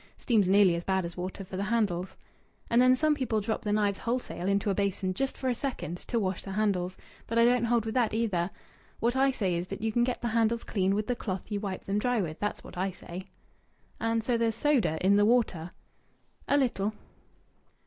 Steam's nearly as bad as water for the handles. And then some people drop the knives wholesale into a basin just for a second, to wash the handles. But I don't hold with that, either. What I say is that you can get the handles clean with the cloth you wipe them dry with. That's what I say." "And so there's soda in the water?" "A little."